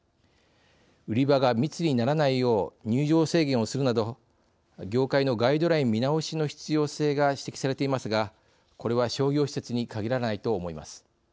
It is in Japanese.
売り場が密にならないよう入場制限をするなど業界のガイドライン見直しの必要性が指摘されていますがこれは商業施設に限らないと思います。